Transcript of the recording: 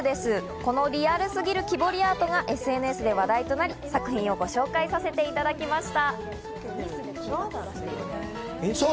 このリアルすぎる木彫りアートがＳＮＳで話題となり、作品をご紹介させていただきました。